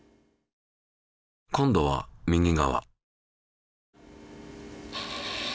今度は右側。